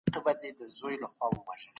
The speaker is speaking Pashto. ځان ته ارام ورکړه